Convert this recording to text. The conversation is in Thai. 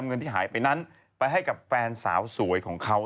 เงินที่หายไปนั้นไปให้กับแฟนสาวสวยของเขา